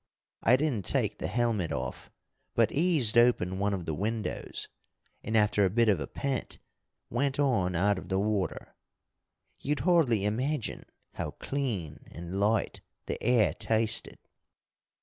I didn't take the helmet off, but eased open one of the windows, and, after a bit of a pant, went on out of the water. You'd hardly imagine how clean and light the air tasted.